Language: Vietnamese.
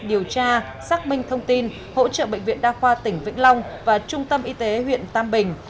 điều tra xác minh thông tin hỗ trợ bệnh viện đa khoa tỉnh vĩnh long và trung tâm y tế huyện tam bình